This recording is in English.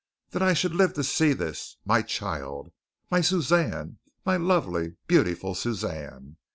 That I should live to see this! My child! My Suzanne! My lovely, beautiful Suzanne!